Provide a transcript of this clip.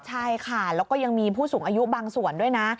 ใช่ค่ะแล้วก็ยังมีผู้สูงอายุบางส่วนด้วยนะ